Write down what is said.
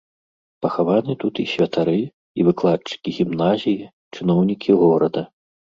Пахаваны тут і святары, і выкладчыкі гімназіі, чыноўнікі горада.